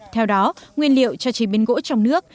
theo đó nguyên liệu cho chế biến gỗ trong nước